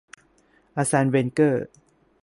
อาร์แซน เวนเกอร์